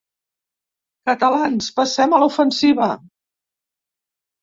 Catalans, passem a l'ofensiva.